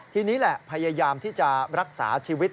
ทีนี้แหละพยายามที่จะรักษาชีวิต